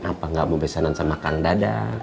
atau nggak mau besanan sama kang dadang